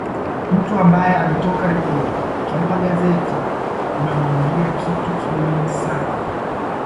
Mtu ambaye ametoka redio ukimpa gazeti umemwambia kitu kigumu sana